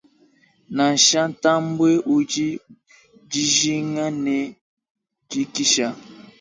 Nansha ntambue udi dijinga ne dikisha.